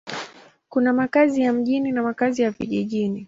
Kuna makazi ya mjini na makazi ya vijijini.